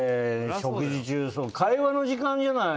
食事中、会話の時間じゃない。